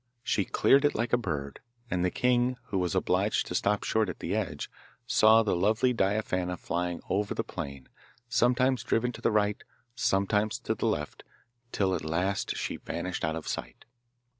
She cleared it like a bird, and the king, who was obliged to stop short at the edge, saw the lovely Diaphana flying over the plain, sometimes driven to the right, sometimes to the left, till at last she vanished out of sight.